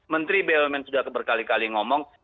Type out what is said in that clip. menteri bumn sudah berkali kali ngomong